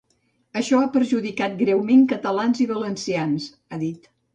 Això ha perjudicat greument catalans i valencians, ha dit.